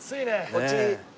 こっち。